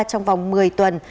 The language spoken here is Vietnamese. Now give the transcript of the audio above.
trong vòng một mươi tuần